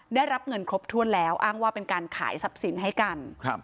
ได้รับเงินครบถ้วนแล้วอ้างว่าเป็นการขายทรัพย์สินให้กัน